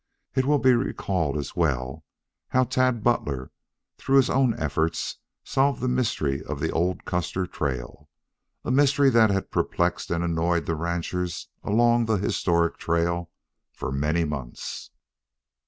It will be recalled as well, how Tad Butler through his own efforts solved the mystery of the old Custer trail a mystery that had perplexed and annoyed the ranchers along the historic trail for many months.